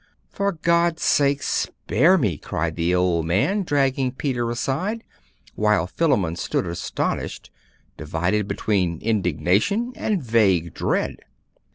'For God's sake, spare me!' cried the old man, dragging Peter aside, while Philammon stood astonished, divided between indignation and vague dread.